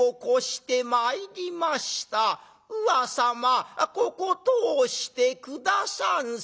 ウワ様ここ通して下さんせ』。